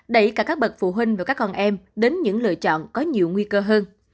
đẩy cả các bậc phụ huynh và các con em đến những lựa chọn có nhiều nguy cơ hơn